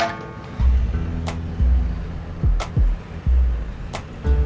terus aku mau pergi ke rumah